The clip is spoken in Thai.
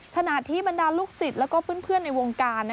ขณะที่บรรดาลูกศิษย์แล้วก็เพื่อนในวงการ